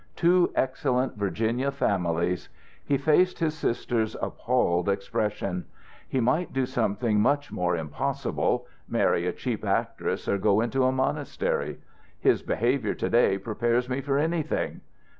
"Two excellent Virginia families." He faced his sister's appalled expression. "He might do something much more impossible marry a cheap actress or go into a monastery. His behaviour to day prepares me for anything.